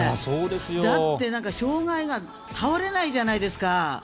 だって、障害が倒れないじゃないですか。